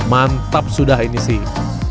mantap sudah ini sih